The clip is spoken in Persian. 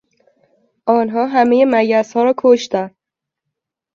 آنها همهی مگسها را کشتند.